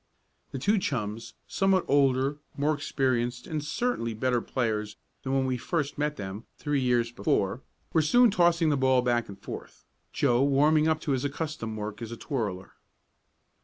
The two chums, somewhat older, more experienced and certainly better players than when we first met them, three years before, were soon tossing the ball back and forth, Joe warming up to his accustomed work as a twirler.